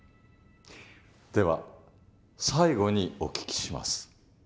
では最後にお聞きします。